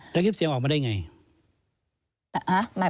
แต่คลิปเสียงออกมาได้ยังไง